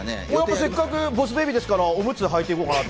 せっかく『ボス・ベイビー』ですから、おむつを履いて行こうかなと。